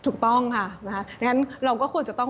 ถูกต้องค่ะเราก็ควรจะต้อง